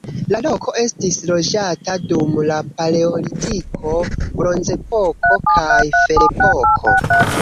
La loko estis loĝata dum la paleolitiko, bronzepoko kaj ferepoko.